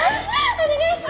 お願いします。